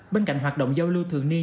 bên cạnh hoạt động giao lưu thường niên